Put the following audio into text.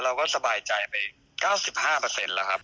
เราก็สบายใจไป๙๕แล้วครับ